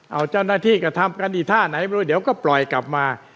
เอาเจ้าหน้าที่กระทำกันอีกท่าไหนไม่รู้เดี๋ยวก็ปล่อยกลับมา